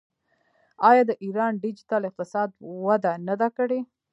آیا د ایران ډیجیټل اقتصاد وده نه ده کړې؟